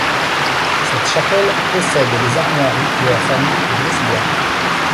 Cette chapelle possède les armoiries de la famille Brisbois.